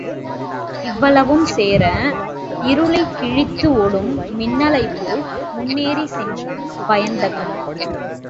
இவ்வளவும் சேர இருளைக் கிழித்து ஒடும் மின்னல்போல் முன்னேறிச் சென்றான் வயந்தகன்.